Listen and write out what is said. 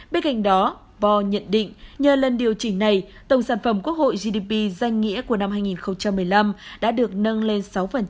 bên cạnh đó bor nhận định nhờ lần điều chỉnh này tổng sản phẩm quốc hội gdp danh nghĩa của năm hai nghìn một mươi năm đã được nâng lên sáu